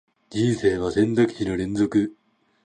人生は選択肢の連続